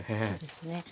そうですね